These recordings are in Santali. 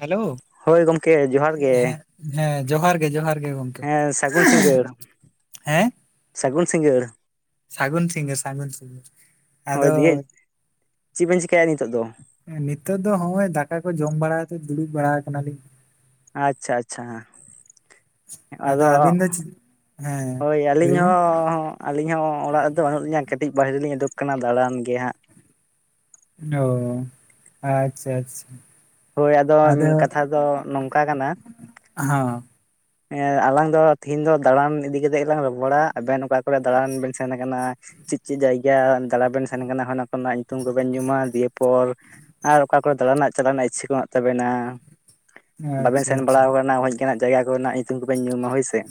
ᱦᱮᱞᱳ ᱦᱳᱭ ᱜᱚᱢᱠᱮ ᱡᱚᱦᱟᱨ ᱜᱮ ᱦᱮᱸ ᱦᱮᱸ ᱡᱚᱦᱟᱨ ᱜᱮ ᱡᱚᱦᱟᱨ ᱜᱮ ᱜᱚᱢᱠᱮ ᱦᱮᱸ ᱥᱟᱹᱜᱩᱱ ᱥᱤᱸᱜᱟᱹᱲ ᱦᱮᱸ ᱥᱟᱹᱜᱩᱱ ᱥᱤᱸᱜᱟᱹᱲ ᱥᱟᱹᱜᱩᱱ ᱥᱤᱸᱜᱟᱹᱲ ᱥᱟᱹᱜᱩᱱ ᱥᱤᱸᱜᱟᱹᱲ ᱦᱳᱭ ᱟᱫᱚ ᱫᱤᱭᱮ ᱪᱮᱫ ᱵᱮᱱ ᱪᱤᱠᱟᱹᱭᱟ ᱱᱤᱛᱚᱜ ᱫᱚ ᱱᱤᱛᱚᱜ ᱫᱚ ᱱᱚᱜᱼᱚᱭ ᱫᱟᱠᱟ ᱠᱚ ᱡᱚᱢ ᱵᱟᱲᱟ ᱠᱟᱛᱮ ᱫᱩᱲᱩᱵ ᱵᱟᱲᱟ ᱟᱠᱟᱱᱟᱞᱤᱧ ᱟᱪᱪᱷᱟ ᱟᱪᱪᱷᱟ ᱦᱮ ᱟᱫᱚ ᱟᱹᱵᱤᱱ ᱫᱚ ᱪᱮᱫ ᱦᱮᱸ ᱦᱳᱭ ᱟᱹᱞᱤᱧ ᱞᱟᱹᱭ ᱵᱤᱱ ᱦᱚᱸ ᱟᱹᱞᱤᱧ ᱦᱚᱸ ᱚᱲᱟᱜ ᱨᱮᱫᱚ ᱵᱟᱹᱱᱩᱜ ᱞᱤᱧᱟᱹ ᱠᱟᱹᱴᱤᱡ ᱵᱟᱭᱨᱮ ᱞᱤᱧ ᱩᱰᱩᱠ ᱟᱠᱟᱱᱟ ᱫᱟᱬᱟᱱ ᱜᱮ ᱦᱟᱸᱜ ᱚ ᱟᱪᱪᱷᱟ ᱟᱪᱪᱷᱟ ᱦᱳᱭ ᱟᱫᱚ ᱠᱟᱛᱷᱟ ᱫᱚ ᱱᱚᱝᱠᱟ ᱠᱟᱱᱟ ᱦᱮ ᱟᱞᱟᱝ ᱫᱚ ᱛᱤᱦᱤᱧ ᱫᱚ ᱫᱟᱬᱟᱱ ᱤᱫᱤ ᱠᱟᱛᱮᱜ ᱜᱮᱞᱟᱝ ᱨᱚᱯᱚᱲᱟ ᱟᱵᱮᱱ ᱚᱠᱟ ᱠᱚᱨᱮ ᱫᱟᱬᱟᱱ ᱵᱮᱱ ᱥᱮᱱ ᱟᱠᱟᱱᱟ ᱪᱮᱫ ᱪᱮᱫ ᱡᱟᱭᱜᱟ ᱫᱟᱬᱟ ᱵᱮᱱ ᱥᱮᱱ ᱠᱟᱱᱟ ᱚᱱᱟ ᱠᱚᱨᱮᱱᱟᱜ ᱧᱩᱛᱩᱢ ᱠᱚᱵᱮᱱ ᱧᱩᱢᱟ ᱫᱤᱭᱮ ᱯᱚᱨ ᱟᱨ ᱚᱠᱟ ᱠᱚᱨᱮ ᱫᱟᱬᱟᱱ ᱨᱮᱱᱟᱜ ᱪᱟᱞᱟᱜ ᱨᱮᱱᱟᱜ ᱤᱪᱪᱷᱟᱹ ᱠᱚ ᱢᱮᱱᱟᱜ ᱛᱟᱵᱮᱱᱟ ᱵᱟᱵᱮᱱ ᱟᱪᱪᱷᱟ ᱥᱮᱱ ᱟᱪᱪᱷᱟ ᱵᱟᱲᱟᱣ ᱟᱠᱟᱱᱟ ᱚᱱᱠᱟᱱᱟᱜ ᱡᱟᱭᱜᱟ ᱠᱚᱨᱮᱱᱟᱜ ᱧᱩᱛᱩᱢ ᱠᱚᱵᱮᱱ ᱧᱩᱢᱟ ᱦᱳᱭ ᱥᱮ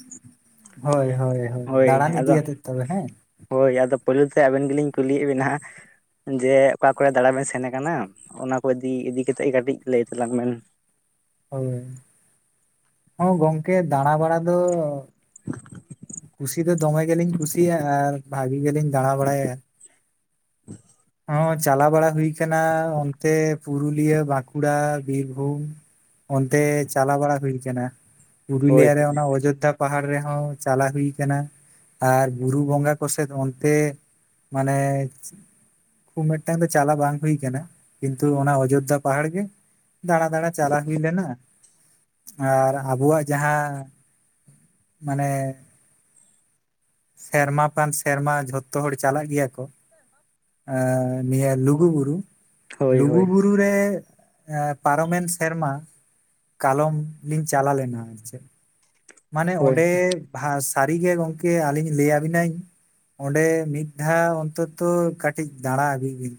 ᱦᱳᱭ ᱦᱳᱭ ᱦᱳᱭ ᱫᱟᱬᱟᱱ ᱟᱫᱚ ᱤᱫᱤᱭᱟᱛᱮᱫ ᱛᱚᱵᱮ ᱦᱮᱸ ᱦᱳᱭ ᱟᱫᱚ ᱯᱳᱭᱞᱳ ᱛᱮ ᱟᱵᱮᱱ ᱜᱮᱞᱤᱧ ᱠᱩᱞᱤᱭᱮᱫ ᱵᱮᱱᱟ ᱦᱟᱸᱜ ᱡᱮ ᱚᱠᱟ ᱠᱚᱨᱮ ᱫᱟᱬᱟ ᱵᱮᱱ ᱥᱮᱱ ᱟᱠᱟᱱᱟ ᱚᱱᱟ ᱠᱚ ᱤᱫᱤ ᱤᱫᱤ ᱠᱟᱛᱮᱜ ᱜᱮ ᱠᱟᱹᱴᱤᱡ ᱞᱟᱹᱭ ᱛᱟᱞᱟᱝ ᱵᱮᱱ ᱦᱳᱭ ᱦᱚᱸ ᱜᱚᱝᱠᱮ ᱫᱟᱬᱟ ᱵᱟᱲᱟ ᱫᱚ ᱠᱩᱥᱤ ᱫᱚ ᱫᱚᱢᱮ ᱜᱮᱞᱤᱧ ᱠᱩᱥᱤᱭᱟᱜᱼᱟ ᱟᱨ ᱵᱷᱟᱜᱤ ᱜᱮᱞᱤᱧ ᱫᱟᱬᱟ ᱵᱟᱲᱟᱭᱟ ᱦᱮᱸ ᱦᱚᱸ ᱪᱟᱞᱟᱣ ᱵᱟᱲᱟ ᱦᱩᱭ ᱟᱠᱟᱱᱟ ᱚᱱᱛᱮ ᱯᱩᱨᱩᱞᱤᱭᱟᱹ ᱵᱟᱸᱠᱩᱲᱟ ᱵᱤᱨᱵᱷᱩᱢ ᱚᱱᱛᱮ ᱪᱟᱞᱟᱣ ᱵᱟᱲᱟ ᱦᱩᱭ ᱟᱠᱟᱱᱟ ᱦᱳᱭ ᱯᱩᱨᱩᱞᱤᱭᱟ ᱨᱮ ᱚᱱᱟ ᱚᱡᱳᱫᱽᱫᱷᱟ ᱯᱟᱦᱟᱲ ᱨᱮᱦᱚᱸ ᱪᱟᱞᱟᱣ ᱦᱩᱭ ᱟᱠᱟᱱᱟ ᱟᱨ ᱵᱩᱨᱩ ᱵᱚᱸᱜᱟ ᱠᱚᱥᱮᱫ ᱚᱱᱛᱮ ᱢᱟᱱᱮ ᱠᱷᱩᱵ ᱢᱤᱫᱴᱟᱝ ᱫᱚ ᱪᱟᱞᱟᱣ ᱵᱟᱝ ᱦᱩᱭ ᱟᱠᱟᱱᱟ ᱠᱤᱱᱛᱩ ᱚᱱᱟ ᱚᱡᱳᱫᱽᱫᱷᱟ ᱯᱟᱦᱟᱲ ᱜᱮ ᱫᱟᱬᱟ ᱫᱟᱬᱟ ᱪᱟᱞᱟᱣ ᱦᱩᱭ ᱞᱮᱱᱟ ᱟᱨ ᱟᱵᱚᱣᱟᱜ ᱡᱟᱦᱟᱸ ᱢᱟᱱᱮ ᱥᱮᱨᱢᱟ ᱯᱟᱱ ᱥᱮᱨᱢᱟ ᱡᱷᱚᱛᱚ ᱦᱚᱲ ᱪᱟᱞᱟᱜ ᱜᱮᱭᱟ ᱠᱚ ᱟᱸ ᱱᱤᱭᱟᱹ ᱞᱩᱜᱩ ᱵᱩᱨᱩ ᱦᱳᱭ ᱞᱩᱜᱩ ᱦᱳᱭ ᱵᱩᱨᱩ ᱵᱩᱨᱩ ᱨᱮ ᱯᱟᱨᱚᱢᱮᱱ ᱥᱮᱨᱢᱟ ᱠᱟᱞᱚᱢ ᱞᱤᱧ ᱪᱟᱞᱟᱣ ᱞᱮᱱᱟ ᱦᱮᱸᱪᱮ ᱢᱟᱱᱮ ᱦᱳᱭ ᱚᱸᱰᱮ ᱦᱟᱸ ᱥᱟᱹᱨᱤᱜᱮ ᱜᱚᱝᱠᱮ ᱟᱹᱞᱤᱧ ᱞᱟᱹᱭᱟᱵᱤᱱᱟᱹᱧ ᱚᱸᱰᱮ ᱢᱤᱫ ᱫᱷᱟᱣ ᱚᱱᱛᱚᱛᱚ ᱠᱟᱹᱴᱤᱡ ᱫᱟᱬᱟ ᱟᱜᱩᱭ ᱵᱤᱱ᱾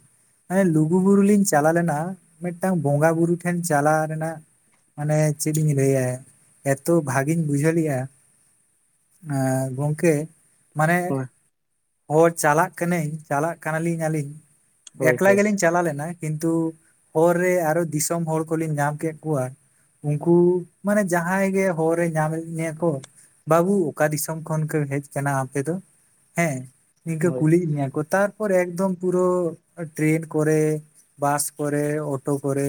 ᱮᱭ ᱞᱩᱜᱩᱵᱩᱨᱩ ᱞᱤᱧ ᱪᱟᱞᱟ ᱞᱮᱱᱟ ᱢᱤᱫᱴᱟᱝ ᱵᱚᱸᱜᱟ ᱵᱩᱨᱩ ᱴᱷᱮᱱ ᱪᱟᱞᱟᱣ ᱨᱮᱱᱟᱜ ᱢᱟᱱᱮ ᱪᱮᱫ ᱤᱧ ᱞᱟᱹᱭᱟᱭ ᱮᱛᱚ ᱵᱷᱟᱜᱮ ᱜᱤᱧ ᱵᱩᱡᱷᱟᱹᱣ ᱞᱮᱜᱼᱟ ᱮ ᱜᱚᱝᱠᱮ ᱢᱟᱱᱮ ᱦᱳᱭ ᱦᱳ ᱪᱟᱞᱟᱜ ᱠᱟᱹᱱᱟᱹᱧ ᱪᱟᱞᱟᱜ ᱠᱟᱱᱟᱞᱤᱧ ᱟᱹᱞᱤᱧ ᱦᱳᱭ ᱮᱠᱞᱟ ᱦᱳᱭ ᱜᱮᱞᱤᱧ ᱪᱟᱞᱟ ᱞᱮᱱᱟ ᱠᱤᱱᱛᱩ ᱦᱚᱨ ᱨᱮ ᱟᱨᱚ ᱫᱤᱥᱚᱢ ᱦᱚᱲ ᱠᱚᱞᱤᱧ ᱧᱟᱢ ᱠᱮᱫ ᱠᱩᱣᱟ ᱩᱱᱠᱩ ᱢᱟᱱᱮ ᱡᱟᱦᱟᱸᱭ ᱜᱮ ᱦᱚᱨ ᱨᱮ ᱧᱟᱢᱮᱫ ᱢᱮᱭᱟ ᱠᱚ ᱵᱟᱹᱵᱩ ᱚᱠᱟ ᱫᱤᱥᱚᱢ ᱠᱷᱚᱱ ᱠᱟᱹ ᱦᱮᱡ ᱠᱟᱱᱟ ᱟᱯᱮ ᱫᱚ ᱦᱮᱸ ᱱᱤᱝᱠᱟᱹ ᱦᱳᱭ ᱠᱩᱞᱤᱭᱮᱫ‌ ᱢᱮᱭᱟ ᱠᱚ ᱛᱟᱨ ᱯᱚᱨ ᱮᱠᱫᱚᱢ ᱯᱩᱨᱟᱹ ᱴᱨᱮᱱ ᱠᱚᱨᱮ ᱵᱟᱥ ᱠᱚᱨᱮ ᱚᱴᱳ ᱠᱚᱨᱮ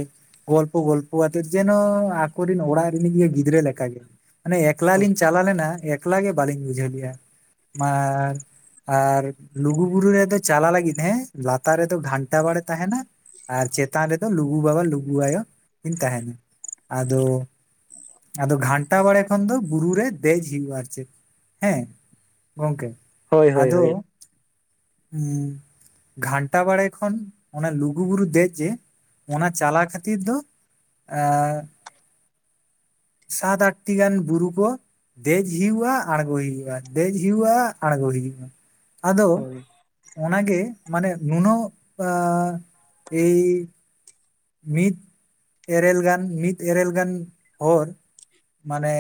ᱜᱚᱞᱯᱚ ᱜᱚᱞᱯᱚ ᱟᱛᱮᱫ ᱡᱮᱱᱚ ᱟᱠᱚᱨᱮᱱ ᱚᱲᱟᱜ ᱨᱮᱱᱤᱡ ᱜᱮ ᱜᱤᱫᱽᱨᱟᱹ ᱞᱮᱠᱟᱜᱮ ᱢᱟᱱᱮ ᱮᱠᱞᱟ ᱞᱤᱧ ᱪᱟᱞᱟᱣ ᱞᱮᱱᱟ ᱮᱠᱞᱟ ᱜᱮ ᱵᱟᱹᱞᱤᱧ ᱵᱩᱡᱷᱟᱹᱣ ᱞᱮᱫᱼᱟ ᱟᱨ ᱟᱨ ᱞᱩᱜᱩᱵᱩᱨᱩ ᱨᱮᱫᱚ ᱪᱟᱞᱟᱜ ᱞᱟᱹᱜᱤᱫ ᱦᱮᱸ ᱞᱟᱛᱟᱨ ᱨᱮᱫᱚ ᱜᱷᱟᱱᱴᱟ ᱵᱟᱲᱮ ᱛᱟᱦᱮᱱᱟ ᱟᱨ ᱪᱮᱛᱟᱱ ᱨᱮᱫᱚ ᱞᱩᱜᱩ ᱵᱟᱵᱟ ᱞᱩᱜᱩ ᱟᱭᱳ ᱠᱤᱱ ᱛᱟᱦᱮᱱᱟ ᱟᱫᱚ ᱟᱫᱚ ᱜᱷᱟᱱᱴᱟ ᱵᱟᱲᱮ ᱠᱷᱚᱱ ᱫᱚ ᱵᱩᱨᱩ ᱨᱮ ᱫᱮᱡ ᱦᱩᱭᱩᱜᱼᱟ ᱟᱨ ᱪᱮᱫ ᱦᱮᱸ ᱜᱚᱝᱠᱮ, ᱦᱳᱭ ᱦᱳᱭ ᱦᱳᱭ ᱟᱫᱚ ᱦᱩᱸ ᱜᱷᱟᱱᱴᱟ ᱵᱟᱲᱮ ᱠᱷᱚᱱ ᱚᱱᱟ ᱞᱩᱜᱩᱵᱩᱨᱩ ᱫᱮᱡ ᱡᱮ ᱚᱱᱟ ᱪᱟᱞᱟᱣ ᱠᱷᱟᱹᱛᱤᱨ ᱫᱚ ᱟ ᱥᱟᱛ ᱟᱴᱴᱤ ᱜᱟᱱ ᱵᱩᱨᱩ ᱠᱚ ᱫᱮᱡ ᱦᱩᱭᱩᱜᱼᱟ ᱟᱬᱜᱚᱭ ᱦᱩᱭᱩᱜᱼᱟ ᱫᱮᱡ ᱦᱩᱭᱩᱜᱼᱟ ᱟᱬᱜᱚ ᱦᱩᱭᱩᱜᱼᱟ᱾ ᱟᱫᱚ ᱚᱱᱟ ᱜᱮ ᱢᱟᱱᱮ ᱱᱩᱱᱟᱹᱜ ᱟ ᱮᱭ ᱢᱤᱫ ᱮᱨᱮᱞ ᱜᱟᱱ ᱢᱤᱫ ᱮᱨᱮᱞ ᱜᱟᱱ ᱦᱚᱲ ᱢᱟᱱᱮ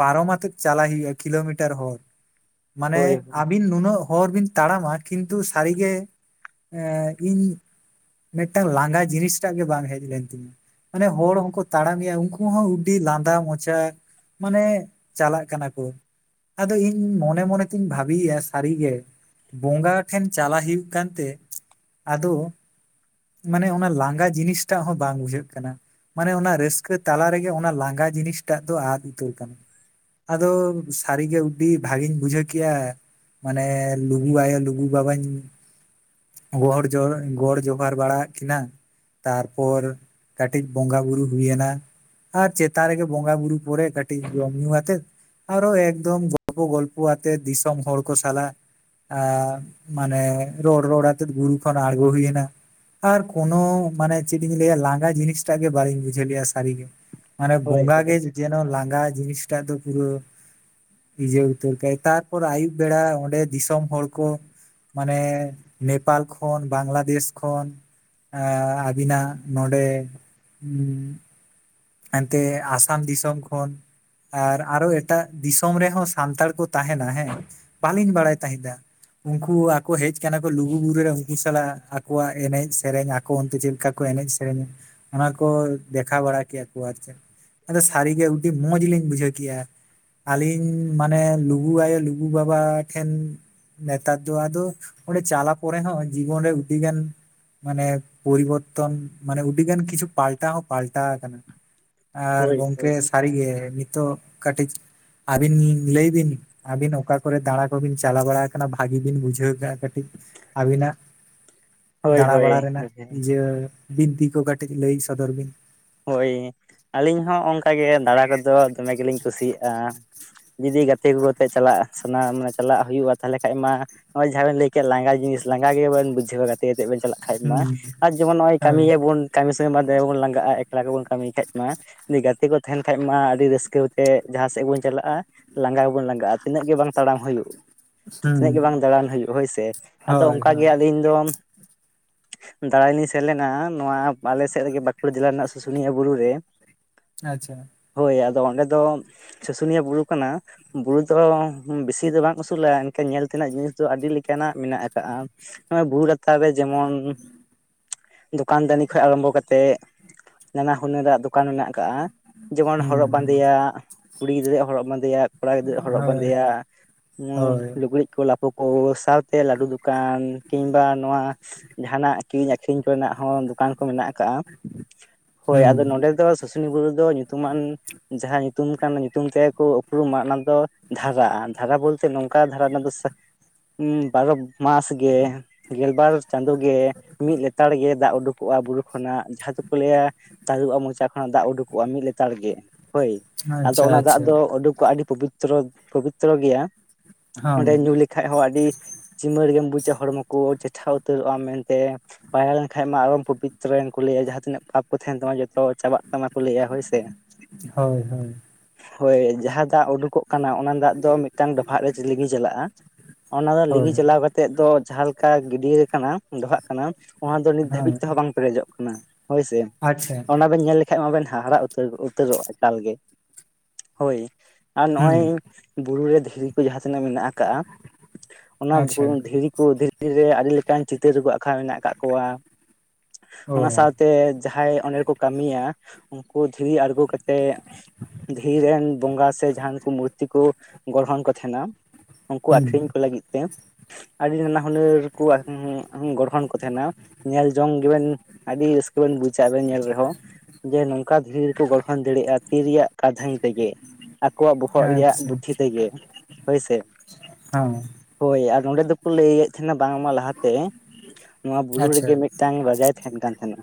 ᱯᱟᱨᱚᱢᱟᱛᱮᱫ ᱪᱟᱞᱟᱭ ᱦᱩᱭᱩᱜᱼᱟ ᱠᱤᱞᱳᱢᱤᱴᱟᱨ ᱦᱚᱨ ᱢᱟᱱᱮ ᱦᱳᱭ ᱦᱳᱭ ᱦᱳᱭ ᱟᱹᱵᱤᱱ ᱱᱩᱱᱟᱹᱜ ᱦᱚᱨ ᱵᱤᱱ ᱛᱟᱲᱟᱢᱟ ᱠᱤᱱᱛᱩ ᱥᱟᱹᱨᱤᱜᱮ ᱮᱸ ᱤᱧ ᱢᱮᱫᱴᱟᱝ ᱞᱟᱸᱜᱟ ᱡᱤᱱᱤᱥ ᱴᱟᱜ ᱜᱮ ᱵᱟᱝ ᱦᱮᱡ ᱞᱮᱱ ᱛᱤᱧᱟᱹ᱾ ᱢᱟᱱᱮ ᱦᱚᱲ ᱦᱚᱸᱠᱚ ᱛᱟᱲᱟᱢ ᱮᱭᱟ ᱩᱱᱠᱩ ᱦᱚᱸ ᱩᱰᱤ ᱞᱟᱸᱫᱟ ᱢᱚᱪᱟ ᱢᱟᱱᱮ ᱪᱟᱞᱟᱜ ᱠᱟᱱᱟ ᱠᱚ, ᱟᱫᱚ ᱤᱧ ᱢᱚᱱᱮ ᱢᱚᱱᱮ ᱛᱤᱧ ᱵᱷᱟᱹᱵᱤᱭᱮᱜᱼᱟ ᱥᱟᱹᱨᱤᱜᱮ ᱵᱚᱸᱜᱟ ᱴᱷᱮᱱ ᱪᱟᱞᱟᱣ ᱦᱩᱭᱩᱜ ᱠᱟᱱ ᱛᱮ ᱟᱫᱚ ᱢᱟᱱᱮ ᱚᱱᱟ ᱞᱟᱸᱜᱟ ᱡᱤᱱᱤᱥᱴᱟᱜ ᱦᱚᱸ ᱵᱟᱝ ᱵᱩᱡᱷᱟᱹᱜ ᱠᱟᱱᱟ᱾ ᱢᱟᱱᱮ ᱚᱱᱟ ᱨᱟᱹᱥᱠᱟᱹ ᱛᱟᱞᱟ ᱨᱮᱜᱮ ᱚᱱᱟ ᱞᱟᱸᱜᱟ ᱡᱤᱱᱤᱥᱴᱟᱜ ᱫᱚ ᱟᱫ ᱩᱛᱟᱹᱨ ᱠᱟᱱᱟ᱾ ᱟᱫᱚ ᱥᱟᱹᱨᱤᱜᱮ ᱩᱰᱤ ᱵᱷᱟᱹᱜᱤᱧ ᱵᱩᱡᱷᱟᱹᱣ ᱠᱮᱜᱼᱟ᱾ ᱢᱟᱱᱮ ᱞᱩᱜᱩ ᱟᱭᱳ ᱞᱩᱜᱩ ᱵᱟᱵᱟᱧ ᱜᱚᱦᱚᱲ ᱡᱚᱦᱚᱨ ᱜᱚᱲ ᱡᱚᱦᱟᱨ ᱵᱟᱲᱟ ᱟᱜ ᱠᱤᱱᱟ᱾ ᱛᱟᱨᱯᱚᱨ ᱠᱟᱹᱴᱤᱡ ᱵᱚᱸᱜᱟ ᱵᱩᱨᱩ ᱦᱩᱭ ᱮᱱᱟ᱾ ᱟᱨ ᱪᱮᱛᱟᱱ ᱨᱮᱜᱮ ᱵᱚᱸᱜᱟ ᱵᱩᱨᱩ ᱯᱚᱨᱮ ᱠᱟ ᱠᱟᱹᱴᱤᱡ ᱡᱚᱢ ᱧᱩ ᱟᱛᱮᱫ ᱟᱨᱚ ᱮᱠᱫᱚᱢ ᱜᱚᱞᱯᱚ ᱜᱚᱞᱯᱚ ᱟᱛᱮ ᱫᱤᱥᱚᱢ ᱦᱚᱲ ᱠᱚ ᱥᱟᱞᱟᱜ ᱟ ᱢᱟᱱᱮ ᱨᱚᱲ ᱨᱚᱲ ᱟᱛᱮᱫ ᱵᱩᱨᱩ ᱠᱷᱚᱱ ᱟᱬᱜᱳ ᱦᱩᱭ ᱮᱱᱟ᱾ ᱟᱨ ᱠᱳᱱᱳ ᱢᱟᱱᱮ ᱪᱮᱫ ᱤᱧ ᱞᱟᱹᱭᱟ ᱞᱟᱸᱜᱟ ᱡᱤᱱᱤᱥᱴᱟᱜ ᱜᱮ ᱵᱟᱞᱤᱧ ᱵᱩᱡᱷᱟᱹᱣ ᱞᱮᱜᱼᱟ ᱥᱟᱹᱨᱤᱜᱮ᱾ ᱢᱟᱱᱮ ᱦᱳᱭ ᱦᱳᱭ ᱦᱳᱭ ᱵᱚᱸᱜᱟ ᱜᱮ ᱡᱮᱱᱚ ᱞᱟᱸᱜᱟ ᱡᱤᱱᱤᱥᱴᱟᱜ ᱫᱚ ᱯᱩᱨᱟᱹ ᱵᱷᱤᱡᱟᱹᱣ ᱩᱛᱟᱹᱨ ᱠᱟᱭ ᱛᱟᱨᱯᱚᱨ ᱟᱭᱩᱵ ᱵᱮᱲᱟ ᱚᱸᱰᱮ ᱫᱤᱥᱚᱢ ᱦᱚᱲ ᱠᱚ ᱢᱟᱱᱮ ᱱᱮᱯᱟᱞ ᱠᱷᱚᱱ ᱵᱟᱝᱞᱟ ᱫᱮᱥ ᱠᱷᱚᱱ ᱟᱸ ᱟᱹᱵᱤᱱᱟᱜ ᱱᱚᱰᱮ [inaudible] ᱮᱱᱛᱮ ᱟᱥᱟᱢ ᱫᱤᱥᱚᱢ ᱠᱷᱚᱱ ᱟᱨ ᱟᱨᱚ ᱮᱴᱟᱜ ᱫᱤᱥᱚᱢ ᱨᱮᱦᱚᱸ ᱥᱟᱱᱛᱟᱲ ᱠᱚ ᱛᱟᱦᱮᱱᱟ ᱦᱮᱸ ᱵᱟᱹᱞᱤᱧ ᱵᱟᱲᱟᱭ ᱛᱟᱦᱮᱸᱱᱟ᱾ ᱩᱱᱠᱩ ᱟᱠᱩ ᱦᱮᱡ ᱠᱟᱱᱟ ᱠᱚ ᱞᱩᱜᱩ ᱵᱩᱨᱩ ᱨᱮ ᱩᱱᱠᱤᱱ ᱥᱟᱞᱟᱜ ᱟᱠᱚᱣᱟᱜ ᱮᱱᱮᱡ ᱥᱮᱨᱮᱧ ᱟᱠᱚ ᱚᱱᱛᱮ ᱪᱮᱫ ᱞᱮᱠᱟ ᱠᱚ ᱮᱱᱮᱡ ᱥᱮᱨᱮᱧ, ᱚᱱᱟ ᱠᱚ ᱫᱮᱠᱷᱟᱣ ᱵᱟᱲᱟ ᱠᱮᱫ ᱳ ᱟᱪᱪᱷᱟ ᱟᱫᱚ ᱥᱟᱹᱨᱤᱜᱮ ᱩᱰᱤ ᱢᱚᱡᱽ ᱞᱤᱧ ᱵᱩᱡᱷᱟᱹᱣ ᱠᱮᱫᱼᱟ᱾ ᱟᱹᱞᱤᱧ ᱢᱟᱱᱮ ᱞᱩᱜᱩ ᱟᱭᱳ ᱞᱩᱜᱩ ᱵᱟᱵᱟ ᱴᱷᱮᱱ ᱱᱮᱛᱟᱨ ᱫᱚ ᱟᱫᱚ ᱚᱸᱰᱮ ᱪᱟᱞᱟ ᱯᱚᱨᱮ ᱦᱚᱸ ᱡᱤᱵᱚᱱ ᱨᱮ ᱩᱰᱤ ᱜᱟᱱ ᱢᱟᱱᱮ ᱯᱚᱨᱤᱵᱚᱨᱛᱚᱱ ᱢᱟᱱᱮ ᱚᱹᱰᱤᱜᱟᱱ ᱠᱤᱪᱷᱩ ᱯᱟᱞᱴᱟ ᱦᱚᱸ ᱯᱟᱞᱴᱟ ᱟᱠᱟᱱᱟ ᱟᱨ ᱦᱳᱭ ᱜᱚᱝᱠᱮ ᱥᱟᱹᱨᱤ ᱜᱮ ᱱᱤᱛᱚᱜ ᱠᱟᱹᱴᱤᱡ ᱟᱹᱵᱤᱱ ᱞᱟᱹᱭ ᱵᱤᱱ ᱟᱹᱵᱤᱱ ᱚᱠᱟ ᱠᱚᱨᱮ ᱫᱟᱬᱟ ᱠᱚᱵᱤᱱ ᱪᱟᱞᱟᱣ ᱵᱟᱲᱟ ᱟᱠᱟᱱᱟ ᱵᱷᱟᱜᱤ ᱵᱤᱱ ᱵᱩᱡᱷᱟᱹᱣ ᱠᱟ ᱼᱟ ᱠᱟᱹᱴᱤᱡ ᱟᱹᱵᱤᱱᱟᱜ ᱦᱳᱭ ᱫᱟᱬᱟ ᱵᱟᱲᱟ ᱦᱳᱭ ᱨᱮᱱᱟᱜ ᱤᱭᱟᱹ ᱵᱤᱱᱛᱤ ᱠᱚ ᱠᱟᱹᱴᱤᱡ ᱞᱟᱹᱭ ᱥᱚᱫᱚᱨ ᱵᱤᱱ ᱦᱳᱭ ᱟᱹᱞᱤᱧ ᱦᱚᱸ ᱚᱱᱠᱟ ᱜᱮ ᱫᱟᱬᱟ ᱠᱚᱫᱚ ᱫᱚᱢᱮ ᱜᱮ ᱞᱤᱧ ᱠᱩᱥᱤ ᱭᱟᱜᱼᱟ ᱡᱩᱫᱤ ᱜᱟᱛᱮ ᱠᱚᱛᱮᱮᱫ ᱪᱟᱞᱟᱜ ᱥᱟᱱᱟ ᱢᱟ ᱪᱟᱞᱟᱜ ᱦᱩᱭᱩᱜᱼᱟ ᱛᱟᱦᱚᱞᱮ ᱠᱷᱟᱱᱡ ᱢᱟ ᱱᱚᱜᱼᱚᱭ ᱡᱟᱦᱟᱸ ᱵᱮᱱ ᱞᱟᱹᱭ ᱠᱮᱫ ᱞᱟᱸᱜᱟ ᱡᱤᱱᱤᱥ ᱞᱟᱜᱟ ᱜᱮ ᱵᱟᱵᱮᱱ ᱵᱩᱡᱷᱟᱹᱣ ᱜᱟ ᱛᱮᱛᱮ ᱵᱮᱱ ᱪᱟᱞᱟᱜ ᱠᱷᱟᱱᱡ ᱢᱟ ᱦᱩᱸ ᱟᱨ ᱡᱮᱢᱚᱱ ᱱᱚᱜᱚᱭ ᱠᱟᱹᱢᱤ ᱦᱳᱭ ᱜᱮᱞᱵᱚᱱ ᱠᱟᱹᱢᱤ ᱥᱮ ᱵᱟᱫᱮ ᱵᱚᱱ ᱞᱟᱜᱟᱜᱼᱟ ᱮᱠ ᱞᱟ ᱜᱮᱵᱚᱱ ᱠᱟᱹᱢᱤ ᱠᱷᱟᱡ ᱢᱟ ᱡᱮ ᱜᱟᱛᱮ ᱠᱚ ᱛᱟᱦᱮᱱ ᱠᱷᱟᱡ ᱢᱟ ᱟᱹᱰᱤ ᱨᱟᱹᱥᱠᱟᱹ ᱛᱮ ᱡᱟᱦᱟᱸ ᱥᱮᱫ ᱵᱚᱱ ᱪᱟᱞᱟᱜᱼᱟ ᱞᱟᱸᱜᱟ ᱜᱮᱵᱚᱱ ᱞᱟᱸᱜᱟᱼᱟ ᱛᱤᱱᱟᱹᱜ ᱜᱮ ᱵᱟᱝ ᱛᱟᱲᱟᱢ ᱦᱩᱭᱩᱜ ᱛᱤᱛᱱᱟᱹᱜ ᱜᱮ ᱦᱩᱸ ᱵᱟᱝ ᱫᱟᱬᱟᱱ ᱦᱩᱭᱩᱜ ᱦᱳᱭᱥᱮ ᱟᱫᱚ ᱦᱳᱭ ᱚᱱᱠᱟᱜᱮ ᱦᱳᱭ ᱟᱹᱞᱤᱧ ᱫᱚ ᱫᱟᱬᱟᱱ ᱞᱤᱧ ᱥᱮᱱ ᱞᱮᱱᱟ ᱱᱚᱣᱟ ᱟᱞᱮ ᱥᱮᱫ ᱨᱮᱜᱮ ᱵᱟᱸᱠᱩᱲᱟ ᱡᱮᱞᱟ ᱨᱮᱱᱟᱜ ᱥᱩᱥᱩᱱᱤᱭᱟᱹ ᱵᱩᱨᱩ ᱨᱮ ᱟᱪᱪᱷᱟ ᱦᱳᱭ ᱟᱫᱚ ᱚᱸᱰᱮ ᱫᱚ ᱥᱩᱥᱩᱱᱤᱭᱟᱹ ᱵᱩᱨᱩ ᱠᱟᱱᱟ ᱵᱩᱨᱩ ᱫᱚ ᱵᱮᱥᱤ ᱫᱚ ᱵᱟᱝ ᱩᱥᱩᱞᱟ ᱮᱱᱠᱷᱟᱱ ᱧᱮᱞ ᱛᱮᱱᱟᱜ ᱡᱤᱱᱤᱥ ᱫᱚ ᱟᱹᱰᱤ ᱞᱮᱠᱟ ᱱᱟᱜ ᱢᱮᱱᱟᱜ ᱟᱠᱟᱫᱼᱟ ᱱᱚᱜ ᱚᱭ ᱵᱩᱨᱩ ᱞᱟᱛᱟᱨ ᱨᱮ ᱡᱮᱢᱚᱱ ᱫᱚᱠᱟᱱ ᱫᱟᱱᱤ ᱠᱷᱚᱱ ᱟᱨᱟᱢᱵᱷᱚ ᱠᱟᱛᱮᱜ ᱱᱟᱱᱟ ᱦᱩᱱᱟᱹᱨᱟᱜ ᱫᱚᱠᱟᱱ ᱢᱮᱱᱟᱜ ᱠᱟ‌ᱜᱼᱟ ᱡᱮᱢᱚᱱ ᱦᱩᱸ ᱦᱚᱨᱚᱜ ᱦᱩᱸ ᱵᱟᱸᱫᱮᱭᱟᱜ ᱠᱩᱲᱤ ᱜᱤᱫᱽᱨᱟᱹ ᱦᱚᱨᱚᱜ ᱵᱟᱸᱫᱮᱭᱟᱜ ᱠᱚᱲᱟ ᱜᱤᱫᱽᱨᱟᱹ ᱦᱚᱨᱚᱜ ᱦᱳᱭ ᱵᱟᱸᱫᱮᱭᱟ ᱦᱳᱭ ᱞᱩᱜᱽᱲᱤ ᱤᱡ ᱠᱚ ᱞᱟᱯᱚ ᱳ ᱥᱟᱶᱛᱮ ᱞᱟᱹᱰᱩ ᱫᱚᱠᱟᱱ ᱠᱤᱝ ᱵᱟ ᱱᱚᱣᱟ ᱡᱟᱦᱟ ᱱᱟᱜ ᱠᱤᱨᱤᱧ ᱟᱠᱷᱨᱤᱧ ᱠᱚᱨᱮ ᱱᱟᱜ ᱦᱚᱸ ᱫᱚᱠᱟᱱ ᱠᱚ ᱢᱮᱱᱟᱜ ᱟᱠᱟᱜ-ᱟ ᱦᱳᱭ ᱟᱫᱚ ᱦᱩᱸ ᱱᱚᱰᱮ ᱫᱚ ᱥᱩᱥᱩᱱᱤ ᱵᱩᱨᱩ ᱫᱚ ᱧᱩᱛᱩᱢ ᱟᱱ ᱡᱟᱦᱟᱸ ᱧᱩᱛᱩᱢ ᱠᱟᱱ ᱧᱩᱛᱩᱢ ᱛᱮᱠᱚ ᱩᱯᱨᱩᱢᱟ ᱚᱱᱟ ᱫᱚ ᱫᱷᱟᱨᱟ ᱫᱷᱟᱨᱟ ᱵᱚᱞᱛᱮ ᱱᱚᱝ ᱚᱠᱟ ᱫᱷᱟᱨᱟ ᱨᱮᱱᱟᱜ ᱫᱚ ᱥᱟ. ᱠᱤ ᱵᱟᱨᱚ ᱢᱟᱥ ᱜᱮ ᱜᱮᱞᱵᱟᱨ ᱪᱟᱸᱫᱳ ᱜᱮ ᱢᱤᱫ ᱞᱮᱛᱟᱲ ᱜᱮ ᱫᱟᱜ ᱩᱰᱩᱠᱚᱜᱼᱟ ᱵᱩᱨᱩ ᱠᱷᱚᱱᱟᱜ ᱡᱟᱦᱟᱸ ᱫᱚᱠᱚ ᱞᱟᱹᱭᱟ ᱛᱟᱹᱨᱩᱵᱼᱟᱜ ᱢᱚᱪᱟ ᱠᱷᱚᱱᱟᱜ ᱫᱟᱜ ᱩᱰᱳᱠᱚᱜᱼᱟ ᱢᱤᱫ ᱞᱮᱛᱟᱲ ᱜᱮ ᱦᱳᱭ ᱟᱫᱚ ᱟᱪᱪᱷᱟ ᱚᱱᱟ ᱫᱟᱜ ᱟᱪᱪᱷᱟ ᱫᱚ ᱩᱰᱳᱠᱚᱜᱼᱟ ᱟᱹᱰᱤ ᱯᱚᱵᱤᱛᱨᱚ ᱯᱚᱵᱤᱛᱨᱚ ᱜᱮᱭᱟ ᱚᱸᱰᱮ ᱦᱚᱸ ᱧᱩ ᱞᱮᱠᱷᱟᱡ ᱦᱚᱸ ᱟᱹᱰᱤ ᱪᱤᱢᱟᱹᱲ ᱜᱮᱢ ᱵᱩᱡᱟ ᱦᱚᱲᱢᱚ ᱠᱚ ᱪᱮᱴᱷᱟ ᱩᱛᱟᱹᱨᱚᱜ ᱟᱢ ᱢᱮᱱᱛᱮ ᱯᱟᱭᱨᱟ ᱞᱮᱱ ᱠᱷᱟᱱ ᱢᱟ ᱟᱨᱚᱢ ᱯᱚᱵᱤᱛᱨᱚᱭᱮᱱ ᱠᱚ ᱞᱟᱹᱭᱟ ᱡᱟᱦᱟᱸ ᱛᱤᱱᱟᱹᱜ ᱯᱟᱯ ᱠᱩ ᱛᱟᱦᱮᱱ ᱫᱚ ᱡᱚᱛᱚ ᱪᱟᱵᱟᱜ ᱛᱟᱢᱟ ᱠᱚ ᱞᱟᱹᱭᱟ ᱦᱳᱭ ᱥᱮ ᱦᱳᱭ ᱦᱳᱭ ᱦᱳᱭ ᱡᱟᱦᱟᱸ ᱫᱟᱜ ᱩᱰᱩ ᱠᱚᱜ ᱠᱟᱱᱟ ᱚᱱᱟ ᱚᱱᱟ ᱫᱟᱜ ᱫᱚ ᱢᱤᱫ ᱴᱟᱝ ᱰᱚᱵᱷᱟᱜ ᱨᱮ ᱞᱤᱸᱜᱤ ᱪᱟᱞᱟᱜᱼᱟ ᱚᱱᱟ ᱫᱚ ᱞᱤᱜᱤ ᱦᱳᱭ ᱪᱟᱞᱟᱣ ᱠᱟᱛᱮᱜ ᱛᱮᱫ ᱫᱚ ᱡᱟᱦᱟᱸ ᱞᱮᱠᱟ ᱜᱤᱰᱭᱟ. ᱠᱟᱱᱟ ᱰᱚᱵᱷᱟᱜ ᱠᱟᱱᱟ ᱚᱱᱟ ᱫᱚ ᱱᱤᱛ ᱫᱷᱟᱹᱵᱤᱡ ᱦᱳᱭ ᱛᱮᱦᱚᱸ ᱵᱟᱝ ᱯᱮᱨᱮᱡᱚᱜ ᱠᱟᱱᱟ ᱦᱳᱭ ᱥᱮ ᱟᱪᱪᱷᱟ ᱚᱱᱟ ᱵᱮᱱ ᱧᱮᱞ ᱞᱮᱠᱷᱟᱱ ᱢᱟᱵᱮᱱ ᱦᱟᱦᱟᱲᱟ ᱩᱛᱟᱹᱨ ᱩᱛᱟᱹᱨᱚᱜ ᱮᱠᱟᱞ ᱜᱮ ᱦᱳᱭ ᱟᱨ ᱦᱩᱸ ᱱᱚᱜᱼᱚᱭ ᱵᱩᱨᱩ ᱨᱮ ᱫᱷᱤᱨᱤ ᱠᱚ ᱡᱟᱦᱟᱸ ᱛᱤᱱᱟᱹᱜ ᱢᱮᱱᱟᱜ ᱠᱟᱜᱼᱟ ᱚᱱᱟ ᱟᱪᱪᱷᱟ ᱵᱩᱱ ᱫᱷᱤᱨᱤ ᱠᱚ ᱫᱷᱤᱨᱤ ᱨᱮ ᱟᱹᱰᱤ ᱞᱮᱠᱟᱱ ᱪᱤᱛᱟᱹᱨ ᱠᱚ ᱟᱸᱠᱷᱟᱣ ᱢᱮᱱᱟᱜ ᱟᱠᱟᱫ ᱠᱚᱣᱟ ᱚ ᱚᱱᱟ ᱥᱟᱶᱛᱮ ᱡᱟᱦᱟᱸᱭ ᱚᱸᱰᱮ ᱨᱮᱠᱚ ᱠᱟᱹᱢᱤᱭᱟ ᱩᱱᱠᱩ ᱫᱷᱤᱨᱤ ᱟᱬᱜᱚ ᱠᱟᱛᱮᱜ ᱫᱷᱤᱨ ᱨᱮᱱ ᱵᱚᱸᱜᱟ ᱥᱮ ᱡᱟᱦᱟᱱ ᱠᱚ ᱢᱩᱨᱛᱤ ᱠᱚ ᱜᱚᱲᱦᱚᱱ ᱠᱚ ᱛᱟᱦᱮ ᱱᱟ ᱩᱱ ᱠᱩ ᱟᱠᱷ ᱦᱩᱸ ᱨᱤᱧ ᱠᱚ ᱞᱟᱹᱜᱤᱫ ᱛᱮ ᱟᱹᱰᱤ ᱱᱟᱱᱟ ᱦᱩᱱᱟᱹᱨ ᱠᱚ ᱜᱚᱲᱦᱚᱱ ᱠᱚ ᱛᱟᱦᱮ ᱱᱟ ᱧᱮᱞ ᱡᱚᱝ ᱜᱮᱵᱮᱱ ᱟᱹᱰᱤ ᱨᱟᱹᱥᱠᱟᱹ ᱵᱮᱱ ᱵᱩᱡ ᱪᱟ ᱵᱮᱱ ᱧᱮᱞ ᱨᱮᱦᱚᱸ ᱡᱮ ᱱᱚᱝᱠᱟ ᱫᱷᱤᱨᱤ ᱨᱮᱠᱚ ᱜᱚᱲᱦᱚᱱ ᱫᱟᱲᱮᱼᱟ ᱛᱤ ᱨᱮᱭᱟᱜ ᱠᱟᱫᱷᱟᱱ ᱛᱮᱜᱮ ᱟᱠᱚᱣᱟᱜ ᱵᱚᱦᱚᱜ ᱨᱮᱭᱟᱜ ᱟᱪᱪᱷᱟ ᱵᱩᱫᱫᱷᱤ ᱛᱮᱜᱮ ᱦᱳᱭ ᱥᱮ ᱦᱚᱸ ᱦᱳᱭ ᱟᱨ ᱱᱚᱸᱰᱮ ᱫᱚᱠᱚ ᱞᱟᱹᱭ ᱮᱫ ᱛᱟᱦᱮ ᱱᱟ ᱵᱟᱝ ᱢᱟ ᱞᱟᱦᱟ ᱛᱮ ᱱᱚᱣᱟ ᱵᱩᱨᱩ ᱟᱪᱪᱷᱟ ᱨᱮᱜᱮ ᱢᱤᱫ ᱴᱟᱝ ᱨᱟᱡᱟᱭ ᱛᱟᱦᱮᱱ ᱠᱟᱱ ᱛᱟᱦᱮ ᱱᱟ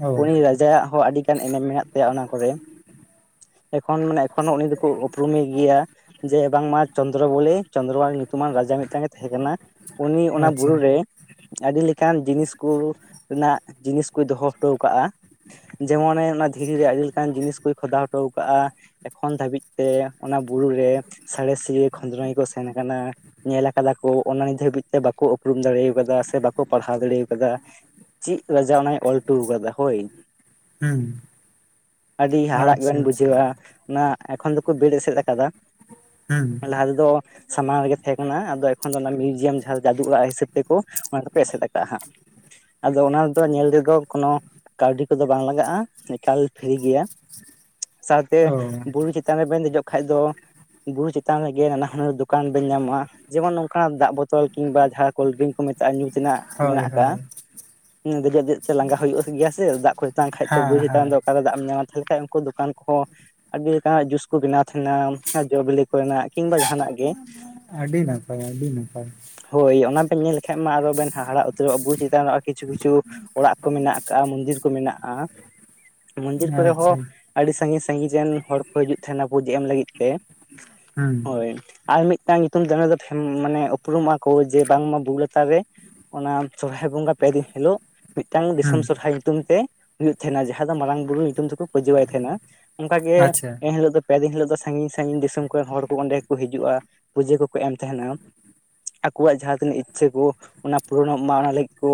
ᱚ ᱩᱱᱤ ᱨᱟᱡᱟ ᱣᱟᱜ ᱦᱚᱸ ᱟᱹᱰᱤᱜᱟᱱ ᱮᱱᱮᱢ ᱢᱮᱱᱟᱜ ᱛᱟᱭᱟ ᱚᱱᱟ ᱠᱚᱨᱮ ᱮᱠᱷᱚᱱ ᱢᱟᱱᱮ ᱮᱠᱷᱚᱱᱳ ᱩᱱᱤ ᱫᱚᱠᱚ ᱩᱯᱨᱩᱢᱮ ᱜᱮᱭᱟ ᱡᱮ ᱵᱟᱝᱢᱟ ᱪᱚᱱᱫᱨᱚ ᱵᱚᱞᱮ ᱪᱚᱱᱫᱨᱚ ᱧᱩᱛᱩᱢᱟᱱ ᱨᱟᱡᱟ ᱢᱤᱫᱴᱟᱝ ᱜᱮ ᱛᱟᱦᱮᱸ ᱠᱟᱱᱟ ᱩᱱᱤ ᱚᱱᱟ ᱵᱩᱨᱩ ᱟᱪᱪᱷᱟ ᱨᱮ ᱟᱹᱰᱤ ᱞᱮᱠᱟᱱ ᱡᱤᱱᱤᱥ ᱠᱚ ᱨᱮᱱᱟᱜ ᱡᱤᱱᱤᱥ ᱠᱚᱭ ᱫᱚᱦᱚ ᱴ ᱠᱟᱜᱼᱟ ᱡᱮᱢᱚᱱᱮ ᱚᱱᱟ ᱫᱷᱤᱨᱤ ᱨᱮ ᱟᱹᱰᱤ ᱞᱮᱠᱟᱱ ᱡᱤᱱᱤᱥ ᱠᱚᱭ ᱠᱷᱚᱫᱟᱣ ᱦᱚᱴᱚᱣ ᱟᱠᱟᱟᱜᱼᱟ ᱮᱠᱷᱚᱱ ᱫᱷᱟᱹᱵᱤᱡ ᱛᱮ ᱚᱱᱟ ᱵᱩᱨᱩ ᱨᱮ ᱥᱟᱬᱮᱥᱤᱨᱤᱭᱟᱹ ᱠᱷᱚᱸᱫᱽᱨᱚᱸᱚᱱᱤ ᱠᱚ ᱥᱮᱱ ᱟᱠᱟᱱᱟ ᱧᱮᱞ ᱟᱠᱟᱫᱟ ᱠᱚ ᱚᱱᱟ ᱱᱤᱛ ᱫᱷᱟᱹᱵᱤᱡ ᱛᱮ ᱵᱟᱠᱚ ᱩᱯᱨᱩᱢ ᱫᱟᱲᱮ ᱟᱠᱟᱫᱟ ᱥᱮ ᱵᱟᱠᱚ ᱯᱟᱲᱦᱟᱣ ᱫᱟᱲᱮ ᱠᱟᱫᱟ ᱪᱮᱫ ᱞᱟᱡᱟᱣ ᱚᱱᱟᱭ ᱚᱞ ᱦᱚᱴᱚ ᱟᱠᱟᱫᱟ ᱦᱳᱭ ᱦᱩᱸ ᱟᱹᱰᱤ ᱦᱟᱦᱟᱲᱟᱜ ᱟᱪᱪᱷᱟ ᱜᱮᱵᱮᱱ ᱟᱪᱪᱷᱟ ᱵᱩᱡᱷᱟᱹᱣᱟ ᱚᱱᱟ ᱮᱠᱷᱚᱱ ᱫᱚ ᱠᱚ ᱵᱮᱲ ᱮᱥᱮᱫ ᱟᱠᱟᱫᱟ ᱦᱩᱸ ᱞᱟᱦᱟ ᱛᱮᱫᱚ ᱥᱟᱢᱟᱝ ᱨᱮᱜᱮ ᱛᱟᱦᱮᱸ ᱠᱟᱱᱟ ᱟᱫᱚ ᱮᱠᱷᱚᱱ ᱫᱚ ᱚᱱᱟ ᱢᱤᱭᱩᱡᱤᱭᱟᱢ ᱡᱟᱦᱟᱸ ᱡᱟᱫᱩ ᱚᱲᱟᱜ ᱦᱤᱥᱟᱹᱵᱽ ᱛᱮᱠᱚ ᱚᱱᱟ ᱫᱚᱠᱚᱮ ᱮᱥᱮᱫ ᱟᱠᱟᱟᱜᱼᱟ ᱦᱟᱸᱜ ᱟᱫᱚ ᱚᱱᱟᱫᱚ ᱧᱮᱞ ᱨᱮᱫᱚ ᱠᱳᱱᱚ ᱠᱟᱹᱣᱰᱤ ᱠᱚᱫᱚ ᱵᱟᱝ ᱞᱟᱜᱟᱜ ᱼᱟ ᱮᱠᱟᱞ ᱯᱷᱤᱨᱤ ᱜᱮᱭᱟ ᱥᱟᱶᱛᱮ ᱚ ᱵᱩᱨᱩ ᱪᱮᱛᱟᱱ ᱨᱮᱵᱱ ᱫᱮᱡᱚᱜ ᱠᱷᱟᱡ ᱫᱚ ᱵᱩᱨᱩ ᱪᱮᱛᱟᱱ ᱨᱮᱜᱮ ᱱᱟᱱᱟ ᱦᱩᱱᱟᱹᱨ ᱫᱚᱠᱟᱱ ᱵᱮᱱ ᱧᱟᱢᱚᱜᱼᱟ ᱡᱮᱢᱚᱱ ᱱᱚᱝ ᱠᱟᱱᱟᱜ ᱫᱟᱜ ᱵᱳᱛᱚᱞ ᱠᱤᱝ ᱵᱟ ᱡᱟᱦᱟᱸ ᱠᱳᱞᱰᱨᱤᱝ ᱠᱚ ᱢᱮᱛᱟᱜᱼᱟ ᱧᱩ ᱛᱤᱱᱟᱜᱜ ᱦᱳᱭ ᱢᱮᱱᱟᱜ ᱟᱠᱟᱫ ᱦᱳᱭ ᱫᱮᱡᱚᱜ ᱫᱮᱡ ᱛᱮ ᱞᱟᱸᱜᱟ ᱦᱩᱭᱩᱜ ᱜᱮᱭᱟ ᱥᱮ ᱫᱟᱜ ᱠᱷᱚᱡ ᱛᱮᱛᱟᱝ ᱠᱷᱟᱡ ᱛᱚ ᱵᱳᱭ ᱦᱮᱸ ᱦᱟᱛᱟᱢ ᱫᱚ ᱦᱮᱸ ᱚᱠᱟᱨᱮ ᱫᱟᱜ ᱮᱢ ᱧᱟᱢᱟ ᱛᱟᱦᱚᱞᱮ ᱠᱷᱟᱱ ᱩᱱᱠᱩ ᱫᱚᱠᱟᱱ ᱠᱚᱠᱚ ᱟᱹᱰᱤ ᱞᱮᱠᱟᱱᱟᱜ ᱡᱩᱥ ᱠᱚ ᱵᱮᱱᱟᱣ ᱛᱟᱦᱮᱱᱟ ᱡᱚ ᱵᱤᱞᱤ ᱠᱚᱨᱮᱱᱟᱜ ᱠᱤᱢᱵᱟ ᱡᱟᱦᱟᱱᱟᱜ ᱜᱮ ᱟᱹᱰᱤ ᱱᱟᱯᱟᱭ ᱟᱹᱰᱤ ᱱᱟᱯᱟᱭ ᱦᱳᱭ ᱚᱱᱟ ᱵᱮᱱ ᱧᱮᱞ ᱞᱮᱠᱷᱟᱱᱡ ᱢᱟ ᱟᱨ ᱵᱮᱱ ᱦᱟᱦᱟᱲᱟ ᱩᱛᱟᱹᱨᱚᱜᱼᱟ ᱵᱩᱨᱩ ᱪᱮᱛᱟᱱ ᱨᱮ ᱠᱤᱪᱷᱩ ᱠᱤᱷᱩ ᱚᱲᱟᱜ ᱠᱚ ᱢᱮᱱᱟᱜ ᱟᱠᱟᱫᱼᱟ ᱢᱚᱱᱫᱤᱨ ᱠᱚ ᱢᱮᱱᱟᱜᱼᱟ ᱢᱚᱱᱫᱤᱨ ᱠᱚᱨᱮ ᱦᱚᱸ ᱟᱪᱪᱷᱟ ᱟᱹᱰᱤ ᱥᱟᱺᱜᱤᱧ ᱥᱟᱺᱜᱤᱧ ᱨᱮᱱ ᱦᱚᱲ ᱠᱚ ᱦᱤᱡᱩᱜ ᱛᱟᱦᱮᱱᱟ ᱯᱩᱡ ᱮᱢ ᱞᱟᱹᱜᱤᱫ ᱛᱮ ᱦᱩᱸ ᱦᱳᱭ ᱟᱨ ᱢᱤᱫᱴᱟᱝ ᱧᱩᱛᱩᱢ ᱫᱟᱱᱮ ᱫᱚ ᱢᱟᱱᱮ ᱩᱯᱨᱩᱢᱚᱜ ᱟᱠᱚ ᱡᱮ ᱵᱟᱝᱢᱟ ᱵᱩᱨᱩ ᱞᱟᱛᱟᱨ ᱨᱮ ᱚᱱᱟ ᱥᱚᱨᱦᱟᱭ ᱵᱚᱸᱜᱟ ᱯᱮᱮᱫᱤᱱ ᱦᱤᱞᱳᱜ ᱢᱤᱫᱴᱟᱝ ᱫᱤᱥᱚᱢ ᱦᱩᱸ ᱥᱚᱨᱦᱟᱭ ᱧᱩᱛᱩᱢ ᱛᱮ ᱦᱩᱭᱩᱜ ᱛᱟᱦᱮᱱᱟ ᱡᱟᱦᱟ ᱫᱚ ᱢᱟᱨᱟᱝ ᱵᱩᱨᱩ ᱧᱩᱛᱩᱢ ᱛᱮᱠᱚ ᱯᱩᱹᱡᱟᱹᱣᱟᱭ ᱛᱟᱦᱮᱱᱟ ᱚᱱᱠᱟᱟᱜ ᱜᱮ ᱟᱪᱪᱷᱟ ᱮᱱᱦᱤᱞᱳᱜ ᱫᱚ ᱯᱮ ᱫᱤᱱ ᱦᱤᱞᱳ ᱫᱚ ᱥᱟᱺᱜᱤᱧ ᱥᱟᱺᱜᱤᱧ ᱫᱤᱥᱚᱢ ᱠᱚᱨᱮᱱ ᱦᱚᱲ ᱠᱚ ᱚᱸᱰᱮ ᱜᱮᱠᱚ ᱦᱤᱡᱩᱜᱼᱟ ᱯᱩᱡᱟᱹ ᱠᱚᱠᱚ ᱮᱢ ᱛᱟᱦᱮᱱᱟ ᱟᱠᱚᱣᱟᱜ ᱡᱟᱦᱟ ᱛᱤᱱᱟᱹᱜ ᱤᱪᱪᱷᱟᱹ ᱠᱚ ᱚᱱᱟ ᱯᱩᱨᱚᱱᱚᱜ ᱢᱟ ᱚᱱᱟ ᱞᱟᱹᱜᱤᱫ ᱠᱚ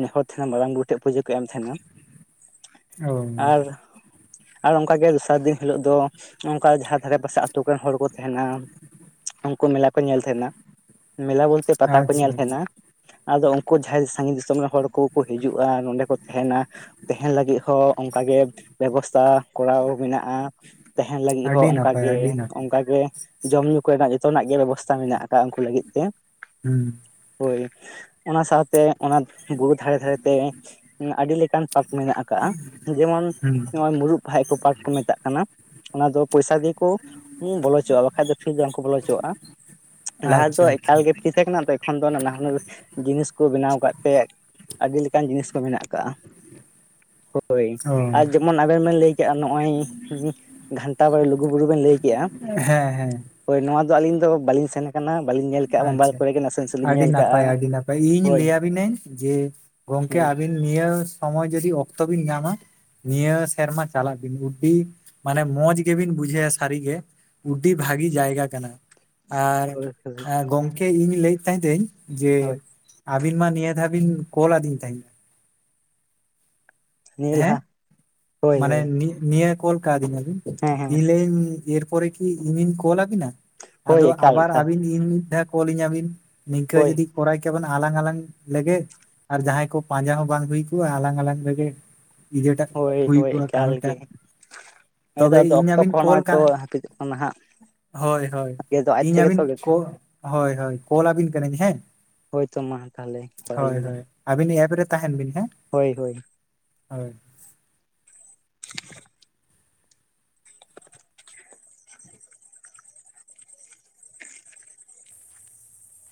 ᱱᱮᱦᱚᱨ ᱢᱟᱨᱟᱝ ᱵᱩᱨᱩ ᱴᱷᱮᱡ ᱯᱩᱡᱟᱹ ᱠᱚ ᱮᱢ ᱛᱟᱦᱮᱱᱟ ᱟᱨ ᱚᱻ ᱟᱨ ᱚᱱᱠᱟᱜᱮ ᱫᱚᱥᱟᱨ ᱫᱤᱱ ᱦᱤᱞᱳᱜ ᱫᱚ ᱚᱱᱠᱟ ᱡᱟᱦᱟᱸ ᱫᱷᱟᱨᱮ ᱯᱟᱥᱮ ᱟᱛᱳ ᱠᱚᱨᱮᱱ ᱦᱚᱲ ᱠᱚ ᱛᱟᱦᱮᱱᱟ ᱩᱱᱠᱩ ᱢᱮᱞᱟ ᱠᱚ ᱧᱮᱞ ᱛᱟᱦᱮᱱᱟ ᱢᱮᱞᱟ ᱵᱚᱞᱛᱮ ᱯᱟᱛᱟ ᱠᱚ ᱧᱮᱞ ᱟᱪᱪᱷᱟ ᱛᱟᱦᱮᱱᱟ ᱟᱫᱚ ᱩᱱᱠᱩ ᱡᱟᱦᱟᱸᱭ ᱥᱟᱺᱜᱤᱧ ᱫᱤᱥᱚᱢ ᱨᱮᱱ ᱦᱚᱲ ᱠᱚ ᱠᱚ ᱦᱤᱡᱩᱜᱼᱟ ᱟᱨ ᱱᱚᱸᱰᱮ ᱠᱚ ᱛᱟᱦᱮᱱᱟ ᱛᱟᱦᱮᱱ ᱞᱟᱹᱜᱤᱫ ᱦᱚᱸ ᱚᱱᱠᱟᱜᱮ ᱵᱮᱵᱚᱥᱛᱷᱟ ᱠᱚᱨᱟᱣ ᱢᱮᱱᱟᱜᱼᱟ ᱛᱟᱦᱮᱱ ᱞᱟᱹᱜᱤᱫ ᱦᱚᱸ ᱟᱹᱰᱤ ᱱᱟᱯᱟᱭ ᱚᱱᱠᱟᱜᱮ ᱟᱹᱰᱤ ᱱᱟᱯᱟᱭ ᱚᱱᱠᱟᱜᱮ ᱡᱚᱢ ᱧᱩ ᱠᱚᱨᱮᱱᱟᱜ ᱡᱚᱛᱚᱱᱟᱜ ᱜᱮ ᱵᱮᱵᱚᱥᱛᱷᱟ ᱢᱮᱱᱟᱜ ᱟᱠᱟᱫ ᱩᱱᱠᱩ ᱞᱟᱹᱜᱤᱫ ᱛᱮ ᱦᱩᱸ ᱦᱳᱭ ᱚᱱᱟ ᱥᱟᱶᱛᱮ ᱚᱱᱟᱵᱩᱨᱩ ᱫᱷᱟᱨᱮ ᱫᱷᱟᱨᱮᱛᱮ ᱟᱹᱰᱤ ᱞᱮᱠᱟᱱ ᱯᱟᱨᱠ ᱢᱮᱱᱟᱜ ᱟᱠᱟᱟᱜ ᱡᱮᱢᱚᱱ ᱦᱩᱸ ᱱᱚᱜᱚᱭ ᱢᱩᱨᱩᱫ ᱯᱟᱦᱟᱭ ᱠᱚ ᱯᱟᱴ ᱠᱚ ᱢᱮᱛᱟᱜ ᱠᱟᱱᱟ ᱚᱱᱟ ᱫᱚ ᱯᱚᱭᱥᱟ ᱫᱤᱭᱮ ᱠᱚ ᱵᱚᱞᱚ ᱦᱚᱪᱚᱣᱟᱜᱼᱟ ᱵᱟᱝᱠᱷᱟᱡ ᱫᱚ ᱯᱷᱤᱨᱤ ᱛᱮ ᱫᱚ ᱵᱟᱝᱠᱚ ᱵᱚᱞᱚᱪᱚᱣᱟᱜᱼᱟ ᱞᱟᱦᱟ ᱫᱚ ᱟᱪᱪᱷᱟ ᱮᱠᱟᱞᱜᱮ ᱯᱷᱨᱤ ᱛᱟᱦᱮᱸ ᱠᱟᱱᱟ ᱛᱚ ᱮᱠᱷᱚᱱ ᱫᱚ ᱱᱟᱦᱟᱱᱟᱹᱨ ᱡᱤᱱᱤᱥ ᱠᱚ ᱵᱮᱱᱟᱣ ᱟᱠᱟᱫ ᱛᱮ ᱟᱹᱰᱤ ᱞᱮᱠᱟᱱ ᱡᱤᱱᱤᱥ ᱠᱚ ᱢᱮᱱᱟᱜ ᱟᱠᱟᱟᱜᱼᱟ ᱦᱳᱭ ᱟᱪᱪᱷᱟ ᱚ ᱟᱨ ᱡᱮᱢᱚᱱ ᱟᱵᱮᱱ ᱵᱮᱱ ᱞᱟᱹᱭ ᱠᱮᱜᱼᱟ ᱱᱚᱜ-ᱚᱭ ᱜᱷᱟᱱᱴᱟ ᱵᱟᱲᱮ ᱞᱩᱜᱩ ᱵᱩᱨᱩ ᱵᱮᱱ ᱞᱟᱹᱭ ᱠᱮᱜᱼᱟ ᱦᱮᱸ ᱦᱮᱸ ᱦᱳᱭ ᱱᱚᱣᱟ ᱫᱚ ᱟᱹᱞᱤᱧ ᱫᱚ ᱵᱟᱞᱤᱧ ᱥᱮᱱ ᱟᱠᱟᱱᱟ ᱵᱟᱞᱤᱧ ᱧᱮᱞ ᱠᱟᱜᱼᱟ ᱢᱳᱵᱟᱭᱤᱞ ᱟᱪᱪᱷᱟ ᱠᱚᱨᱮ ᱜᱮ ᱱᱟᱥᱮ ᱱᱟᱥᱮ ᱞᱤᱧ ᱟᱹᱰᱤ ᱧᱮᱞ ᱱᱟᱯᱟᱭ ᱠᱟᱜᱼᱟ ᱟᱹᱰᱤ ᱱᱟᱯᱟᱭ ᱤᱧ ᱦᱳᱭ ᱞᱟᱹᱭᱟᱵᱤᱱᱟᱹᱧ ᱡᱮ ᱜᱚᱝᱠᱮ ᱦᱳᱭ ᱟᱹᱵᱤᱱ ᱱᱤᱭᱟᱹ ᱥᱚᱢᱚᱭ ᱡᱩᱫᱤ ᱚᱠᱛᱚ ᱵᱤᱱ ᱧᱟᱢᱟ ᱱᱤᱭᱟᱹ ᱥᱮᱨᱢᱟ ᱪᱟᱞᱟᱜ ᱵᱤᱱ ᱩᱰᱤ ᱢᱟᱱᱮ ᱢᱚᱡᱽ ᱜᱮᱵᱤᱱ ᱵᱩᱡᱷᱟᱹᱣᱟ ᱥᱟᱹᱨᱤᱜᱮ ᱩᱰᱤ ᱵᱷᱟᱹᱜᱤ ᱡᱟᱭᱜᱟ ᱠᱟᱱᱟ ᱟᱨ ᱦᱳᱭ ᱦᱳᱭ ᱜᱚᱝᱠᱮ ᱤᱧ ᱞᱟᱹᱭᱮᱫ ᱛᱟᱦᱮᱸ ᱫᱟᱹᱧ ᱡᱮ ᱦᱳᱭ ᱟᱵᱤᱱ ᱢᱟ ᱱᱤᱭᱟᱹ ᱫᱷᱟᱣ ᱵᱤᱱ ᱠᱚᱞ ᱟᱹᱫᱤᱧ ᱛᱟᱦᱮᱸᱫ ᱱᱤᱭᱟᱹ ᱦᱮᱸ ᱞᱟᱦᱟ ᱦᱳᱭ ᱢᱟᱱᱮ ᱦᱳᱭ ᱱᱤ ᱱᱤᱭᱟᱹ ᱠᱚᱞ ᱠᱟᱶᱫᱤᱧᱟᱹ ᱵᱤᱱ ᱦᱮᱸ ᱦᱮᱸ ᱤᱧ ᱞᱟᱹᱭᱟᱧ ᱮᱨᱯᱚᱨᱮ ᱠᱤ ᱤᱧᱤᱧ ᱠᱚᱞ ᱟᱵᱤᱱᱟ ᱦᱳᱭ ᱟᱫᱚ ᱮᱠᱟᱞ ᱟᱵᱟᱨ ᱮᱠᱟᱞ ᱟᱹᱵᱤᱱ ᱤᱧ ᱢᱤᱫ ᱫᱷᱟᱣ ᱠᱚᱞᱤᱧᱟᱹ ᱵᱤᱱ ᱱᱤᱝᱠᱟᱹ ᱦᱳᱭ ᱡᱩᱚᱫᱤ ᱠᱚᱨᱟᱭ ᱠᱮᱵᱚᱱ ᱟᱞᱟᱝ ᱟᱞᱟᱝ ᱞᱮᱜᱮ ᱟᱨ ᱡᱟᱦᱟᱸᱭ ᱠᱚ ᱯᱟᱸᱡᱟ ᱦᱚᱸ ᱵᱟᱝ ᱦᱩᱭ ᱠᱚᱜᱼᱟ ᱟᱞᱟᱝ ᱟᱞᱟᱝ ᱞᱮᱜᱮ ᱦᱳᱭ ᱦᱳᱭ ᱮᱠᱟᱞ ᱜᱮ ᱦᱮᱸᱛᱚ ᱛᱚᱵᱮ ᱟᱫᱚ ᱤᱧ ᱚᱠᱛᱚ ᱟᱹᱵᱤᱱ ᱠᱚᱦᱚᱸ ᱠᱚᱞ ᱱᱚᱜᱼᱚᱭ ᱠᱟ ᱛᱚ ᱦᱟᱹᱯᱤᱫᱚᱜ ᱠᱟᱱᱟ ᱦᱟᱸᱜ ᱦᱳᱭ ᱦᱳᱭ ᱜᱮᱫᱚ ᱟᱡ ᱤᱧ ᱛᱮᱜᱮ ᱟᱹᱵᱤᱱ ᱛᱚ ᱦᱳᱭ ᱦᱳᱭ ᱠᱚᱞ ᱟᱹᱵᱤᱱ ᱠᱟᱹᱱᱟᱹᱧ ᱦᱮᱸ ᱦᱳᱭ ᱛᱚ ᱢᱟ ᱛᱟᱦᱚᱞᱮ ᱠᱚᱞ ᱦᱳᱭ ᱟᱹᱞᱤᱧ ᱵᱮᱱ ᱦᱳᱭ ᱟᱹᱵᱤᱱ ᱮᱯ ᱨᱮ ᱛᱟᱦᱮᱸᱱ ᱵᱤᱱ ᱦᱮᱸ ᱦᱳᱭ ᱦᱳᱭ ᱦᱚᱭ [inaudible]